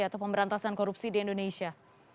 atau pemberantasan korupsi di indonesia